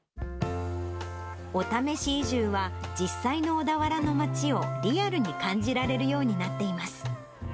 お試し移住は、実際の小田原の街をリアルに感じられるようになっています。